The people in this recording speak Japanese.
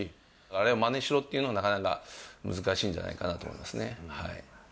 あれをまねしろっていうのはなかなか難しいんじゃないかなと思い